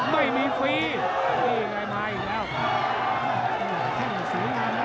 แค่เห็นสีวินาภัณฑ์เนอะ